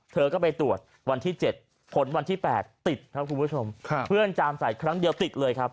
เธอก็ไปตรวจวันที่๗ผลวันที่๘ติดครับคุณผู้ชมเพื่อนจามใส่ครั้งเดียวติดเลยครับ